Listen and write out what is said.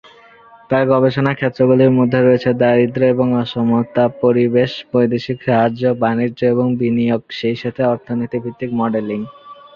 তার গবেষণার ক্ষেত্রগুলির মধ্যে রয়েছে দারিদ্র্য এবং অসমতা, পরিবেশ, বৈদেশিক সাহায্য, বাণিজ্য এবং বিনিয়োগ, সেইসাথে অর্থনীতি-ভিত্তিক মডেলিং।